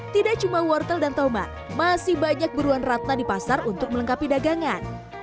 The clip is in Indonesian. tidak cuma wortel dan tomat masih banyak buruan ratna di pasar untuk melengkapi dagangan